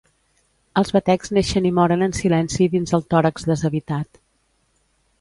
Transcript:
Els batecs neixen i moren en silenci dins el tòrax deshabitat.